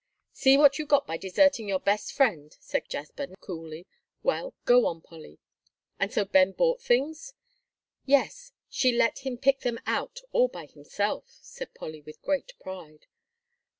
"See what you got by deserting your best friend," said Jasper, coolly. "Well, go on, Polly; and so Ben bought things?" "Yes, she let him pick them out all by himself," said Polly, with great pride.